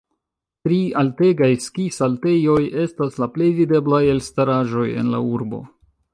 Tri altegaj ski-saltejoj estas la plej videblaj elstaraĵoj en la urbo.